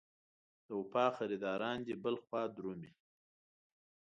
د وفا خریداران دې بل خوا درومي.